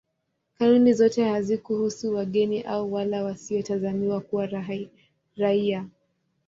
Kanuni zote hazikuhusu wageni au wale wasiotazamiwa kuwa raia.